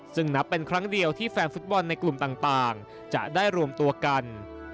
ซึ่งนับเป็นครั้งเดียวที่แฟนฟุตบอลในกลุ่มต่างจะได้รวมตัวกัน